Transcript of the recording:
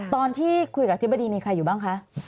ตอนที่คุยกับอธิบดีมีใครอยู่บ้างคะ